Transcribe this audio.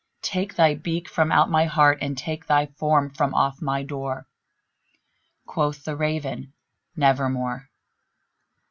Take thy beak from out my heart, and take thy form from off my door!" Quoth the Raven, "Nevermore."